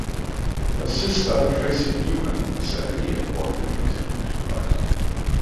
Her sister, Tracy Newman, is an Emmy Award-winning television writer.